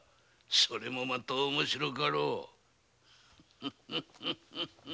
それもまた面白かろう。